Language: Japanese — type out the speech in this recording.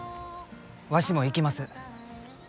わしも行きます。